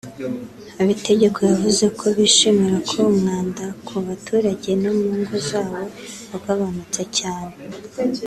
Habitegeko yavuze ko bishimira ko umwanda ku baturage no mu ngo zabo wagabanutse cyane